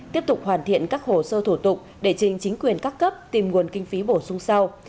tiếp tục hoàn thiện các hồ sơ thủ tục để trình chính quyền các cấp tìm nguồn kinh phí bổ sung sau